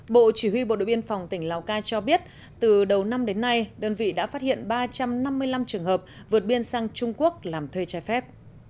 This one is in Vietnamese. bộ chỉ huy bộ đội biên phòng tỉnh lào cai cho biết từ đầu năm đến nay đơn vị đã phát hiện ba trăm năm mươi năm trường hợp vượt biên sang trung quốc làm thuê trái phép